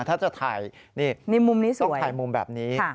ถ้าจะถ่ายนี่มุมนี้สิต้องถ่ายมุมแบบนี้